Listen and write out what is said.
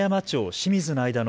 清水